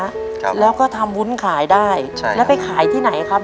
ครับแล้วก็ทำวุ้นขายได้ใช่แล้วไปขายที่ไหนครับ